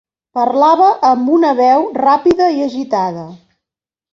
Parlava amb una veu ràpida i agitada.